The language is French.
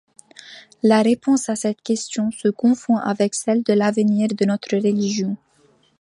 La réponse à cette question se confond avec celle de l'avenir de notre religion.